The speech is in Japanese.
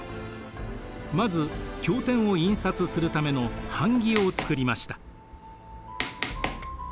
まず経典を印刷するための版木を作りました。